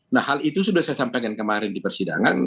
nah hal itu sudah saya sampaikan kemarin di persidangan